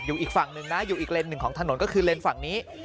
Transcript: อีกฝั่งหนึ่งนะอยู่อีกเลนส์หนึ่งของถนนก็คือเลนส์ฝั่งนี้